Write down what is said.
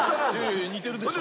似てるでしょ。